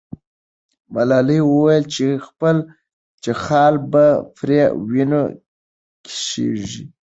ملالۍ وویل چې خال به پر وینو کښېږدي.